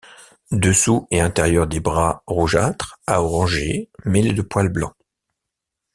Dessous et intérieur des bras rougeâtre à orangé mêlé de poils blancs.